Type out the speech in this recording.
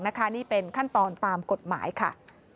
นี่เป็นขั้นตอนตามกฎหมายค่ะ